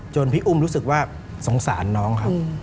พี่อุ้มรู้สึกว่าสงสารน้องครับ